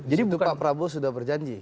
jadi pak prabowo sudah berjanji